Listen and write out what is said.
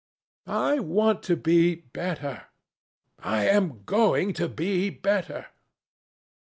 I want to be better. I am going to be better.